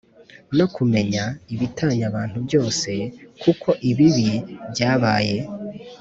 no kumenya ibitanya abantu byose ; kuko ibibi byabay